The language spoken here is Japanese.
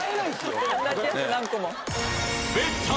おんなじやつ何個も。